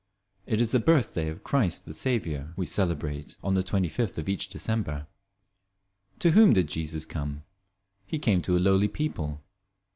It is the birthday of Christ the Saviour we celebrate on the twenty fifth of each December. To whom did Jesus come? He came to a lowly people.